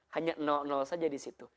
hanya saja di situ